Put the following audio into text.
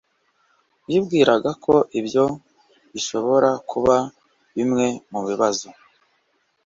Wibwiraga ko ibyo bishobora kuba bimwe mubibazo